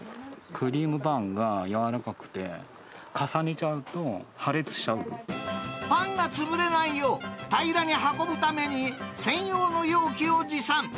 クリームパンが柔らかくて、パンが潰れないよう、平らに運ぶために、専用の容器を持参。